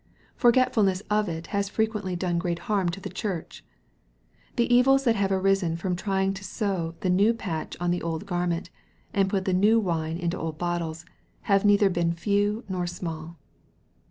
Forgetful ness of it has frequently done great harm in the Church. The evils that have arisen from trying to sew the new patch on the old garment, and put the new wine into old bottles, have neither been few nor small.